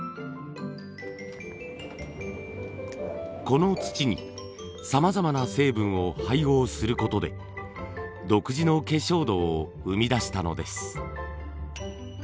この土にさまざまな成分を配合することで独自の化粧土を生み出したのです。